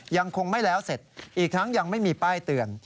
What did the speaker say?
ยังคงไม่แล้วเสร็จอีกทั้งยังไม่มีป้ายเตือน